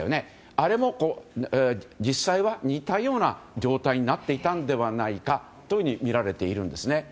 あれも実際は似たような状態になっていたのではないかとみられているんですね。